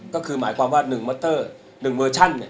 ก็คือหมายความว่า๑มอเตอร์๑เวอร์ชันเนี่ย